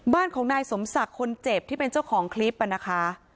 บ้านของนายสมศักดิ์คนเจ็บที่เป็นเจ้าของคลิปนะคะ